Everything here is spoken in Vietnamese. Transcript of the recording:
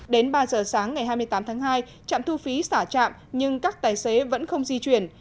đến ba giờ sáng ngày hai mươi tám tháng hai trạm thu phí xả trạm nhưng các tài xế vẫn không di chuyển